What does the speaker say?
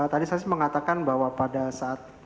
tadi saya mengatakan bahwa pada saat